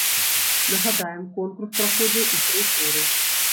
Нагадаем, конкурс праходзіў у тры туры.